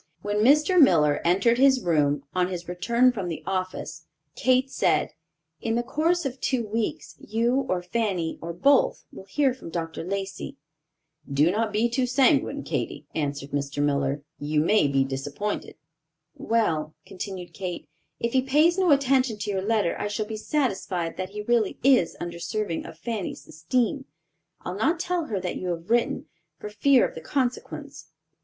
When Mr. Miller entered his room, on his return from the office, Kate said, "In the course of two weeks, you or Fanny or both, will hear from Dr. Lacey." "Do not be too sanguine, Katy," answered Mr. Miller: "you may be disappointed." "Well," continued Kate, "if he pays no attention to your letter, I shall be satisfied that he really is undeserving of Fanny's esteem. I'll not tell her that you have written, for fear of the consequence."